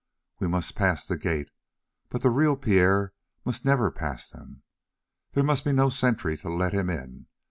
We must pass the gates, but the real Pierre must never pass them. There must be no sentry to let him in.